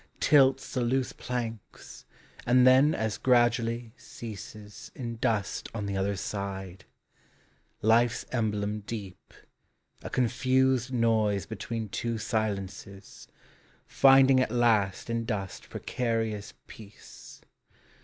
Tilts the loose planks, and then as gradually ceases In dust on the other side; life's emblem deep, A confused noise between two silences, Finding at last in dust precarious peace.